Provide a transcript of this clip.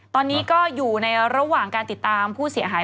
ตอนนี้ก็อยู่ในระหว่างการติดตามผู้เสียหาย